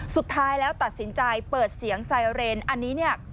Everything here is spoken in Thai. สุดท้ายแล้วตัดสินใจเปิดเสียงไซเรนอันนี้เนี่ย